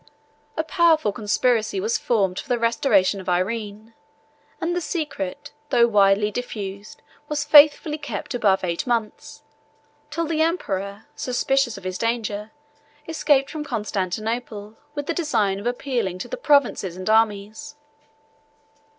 A powerful conspiracy was formed for the restoration of Irene; and the secret, though widely diffused, was faithfully kept above eight months, till the emperor, suspicious of his danger, escaped from Constantinople, with the design of appealing to the provinces and armies.